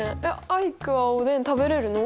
アイクはおでん食べれるの？